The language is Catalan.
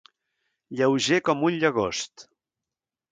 Lleuger com un llagost.